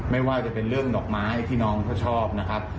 ไม่ว่าจะเป็นเรื่องดอกไม้ที่น้องเขาชอบนะครับ